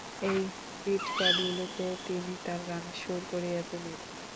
এই ইঁটকাঠগুলোকে তিনি তাঁর গানের সুর করিয়া তুলিলেন।